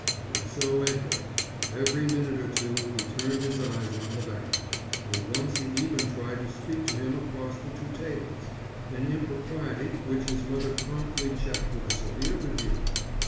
Not so Edgar. Every minute or two he turned his eyes on the baron, and once he even tried to speak to him across the two tables, an impropriety which his mother promptly checked with a severe rebuke.